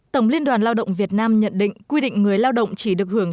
tổng liên đoàn lao động việt nam nhận định quy định người lao động chỉ được hưởng